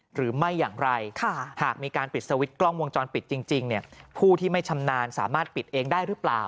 หรือไม่อย่างไรหากมีการปิดสวิตช์กล้องวงจรปิดจริงผู้ที่ไม่ชำนาญสามารถปิดเองได้หรือเปล่า